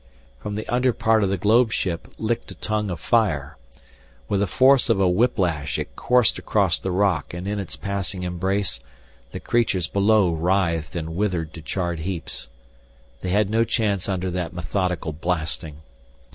From the under part of the globe ship licked a tongue of fire. With the force of a whiplash it coursed across the rock and in its passing embrace, the creatures below writhed and withered to charred heaps. They had no chance under that methodical blasting.